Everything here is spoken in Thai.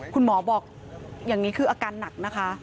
คุณหมอบอกอย่างนี้คืออาการหนักนะคะ